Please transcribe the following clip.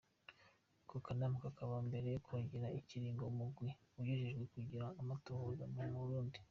Ako kanama kakaba mbere kongeye ikiringo umugwi ujejwe kugira amatohoza mu Burundi.